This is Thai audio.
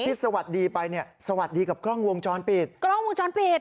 สวัสดีไปเนี่ยสวัสดีกับกล้องวงจรปิดกล้องวงจรปิด